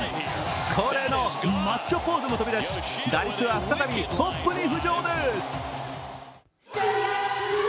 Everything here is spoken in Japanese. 恒例のマッチョポーズも飛び出し打率は再びトップに浮上です。